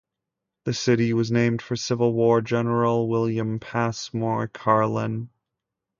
The city was named for Civil War general William Passmore Carlin.